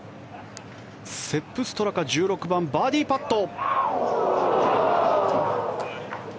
セップ・ストラカ１６番、バーディーパット。